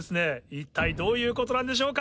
一体どういうことなんでしょうか？